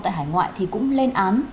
tại hải ngoại thì cũng lên án